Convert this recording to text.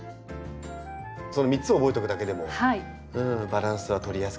その３つを覚えておくだけでもバランスは取りやすくなる。